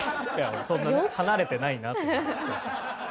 そんなね離れてないなって。